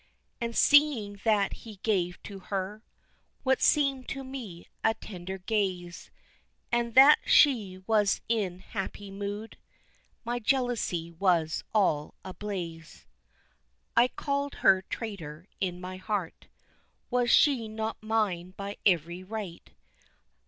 And seeing that he gave to her What seemed to me a tender gaze, And that she was in happy mood, My jealousy was all ablaze. I called her traitor in my heart Was she not mine by every right?